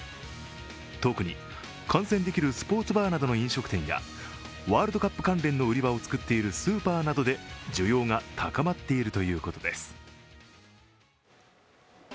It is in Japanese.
特に、観戦できるスポーツバーなどの飲食店やワールドカップ関連の売り場を作っているスーパーなどで需要が高まっているということです。